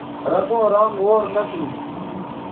رتوں رانگ غور نہ تھو